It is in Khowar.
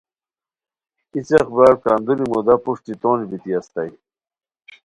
ای څیق برار کندوری مودا پروشٹی تونج بیتی استائے